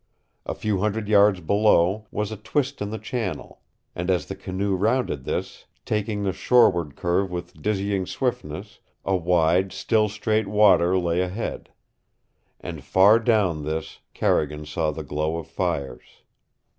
A few hundred yards below was a twist in the channel, and as the canoe rounded this, taking the shoreward curve with dizzying swiftness, a wide, still straight water lay ahead. And far down this Carrigan saw the glow of fires.